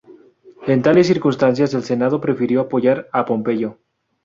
En tales circunstancias el Senado prefirió apoyar a Pompeyo.